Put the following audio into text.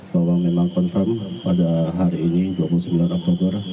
bahwa memang confirm pada hari ini dua puluh sembilan oktober